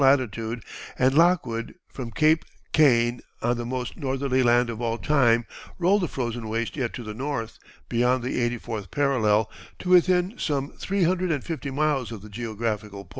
latitude, and Lockwood, from Cape Kane, on the most northerly land of all time, rolled the frozen waste yet to the north, beyond the eighty fourth parallel, to within some three hundred and fifty miles of the geographical Pole.